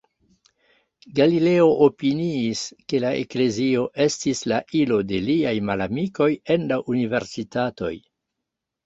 Galilejo opiniis, ke la Eklezio estis la ilo de liaj malamikoj en la universitatoj.